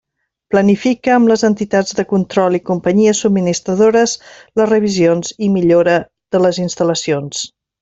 Planifica amb les entitats de control i companyies subministradores les revisions i millora de les instal·lacions.